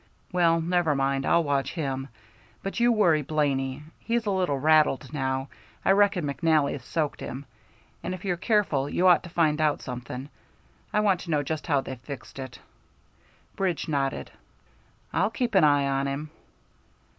"Well, never mind. I'll watch him. But you worry Blaney. He's a little rattled now, I reckon McNally's soaked him, and if you're careful you ought to find out something. I want to know just how they've fixed it." Bridge nodded. "I'll keep an eye on him."